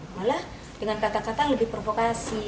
malah dengan kata kata lebih provokasi